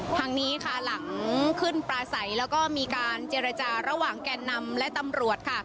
ทางนี้ค่ะหลังขึ้นปลาใสแล้วก็มีการเจรจาระหว่างแก่นนำและตำรวจค่ะ